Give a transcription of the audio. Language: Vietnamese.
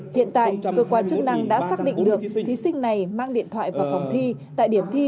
hiện tại cơ quan chức năng đã xác định được thí sinh này mang điện thoại vào phòng thi tại điểm thi